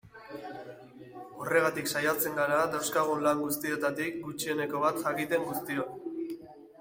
Horregatik saiatzen gara dauzkagun lan guztietatik gutxieneko bat jakiten guztiok.